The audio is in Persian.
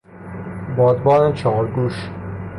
بادبان چهارگوش